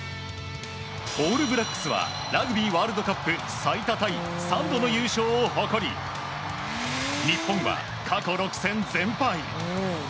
オールブラックスはラグビーワールドカップ最多タイ３度の優勝を誇り日本は過去６戦全敗。